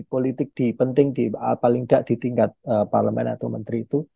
di politik di penting paling tidak di tingkat parlement atau menteri itu